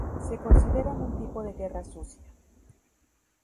Se consideran un tipo de guerra sucia.